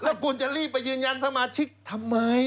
แล้วคุณจะรีบไปยืนยันสมาชิกทำไม